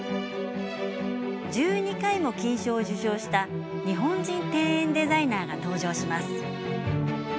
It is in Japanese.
１２回も金賞を受賞した日本人庭園デザイナーが登場します。